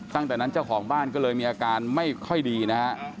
ตั้งแต่นั้นเจ้าของบ้านก็เลยมีอาการไม่ค่อยดีนะฮะ